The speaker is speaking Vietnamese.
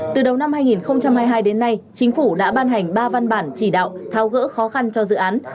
từ đầu năm hai nghìn hai mươi hai đến nay chính phủ đã ban hành ba văn bản chỉ đạo thao gỡ khó khăn cho dự án